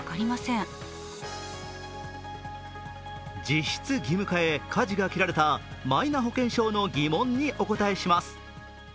実質義務化へかじが切られたマイナ保険証の疑問にお答えします。